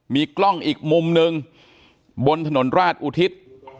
มีกล้องอีกมุมหนึ่งบนถนนราชอุทิศ